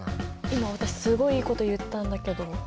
今私すごいいいこと言ったんだけど。